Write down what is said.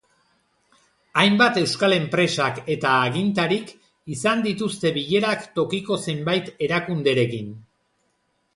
Hainbat euskal enpresak eta agintarik izan dituzte bilerak tokiko zenbait erakunderekin.